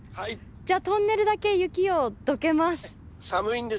じゃトンネルだけ雪をどけます！